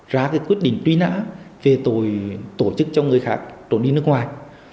ra quyết định truy nã về tội tổ chức cho người khác trốn đi nước ngoài